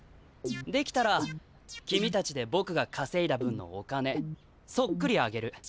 できたら君たちでぼくがかせいだ分のお金そっくりあげる。